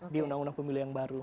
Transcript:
di undang undang pemilihan baru